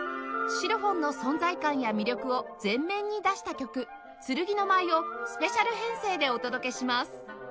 シロフォンの存在感や魅力を全面に出した曲『剣の舞』をスペシャル編成でお届けします